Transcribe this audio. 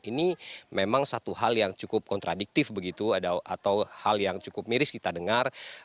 ini memang satu hal yang cukup kontradiktif begitu atau hal yang cukup miris kita dengar